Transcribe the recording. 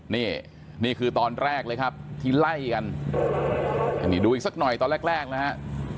นี่นี่คือตอนแรกเลยครับที่ไล่กันอันนี้ดูอีกสักหน่อยตอนแรกแรกนะฮะ